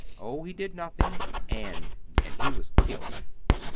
Oh, he did nothing, and and he was killed."